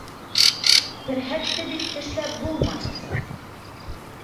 Терһәкте бит тешләп булмай.